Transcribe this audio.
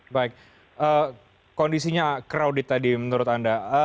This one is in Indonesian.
baik kondisinya crowded tadi menurut anda